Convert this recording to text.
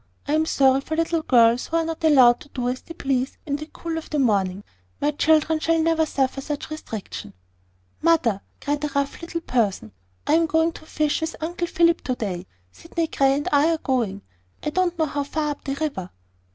I am sorry for little girls who are not allowed to do as they please in the cool of the morning. My children shall never suffer such restriction." "Mother," cried a rough little person, "I'm going fishing with Uncle Philip to day. Sydney Grey and I are going, I don't know how far up the river."